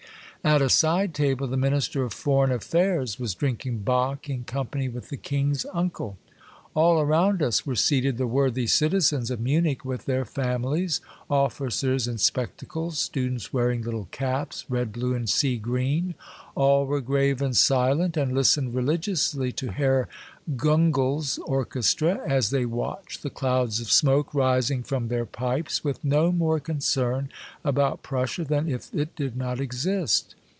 At a side table, the Minister of Foreign Affairs was drinking bock in company with the king's 3IO Monday Tales, uncle. All around us were seated the worthy citi zens of Munich with their families, officers in spec tacles, students wearing little caps, red, blue, and sea green ; all were grave and silent, and listened religiously to Herr Gungl's orchestra, as they watched the clouds of smoke rising from their pipes, with no more concern about Prussia than if it did not exist.